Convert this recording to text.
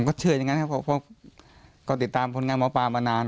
ก็เชื่ออย่างนั้นครับเพราะก็ติดตามผลงานหมอปลามานาน